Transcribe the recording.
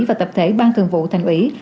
và tập thể ban thường vụ thành ủy